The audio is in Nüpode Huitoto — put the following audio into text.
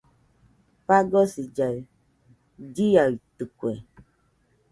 Fagosillaɨ chiaitɨkue.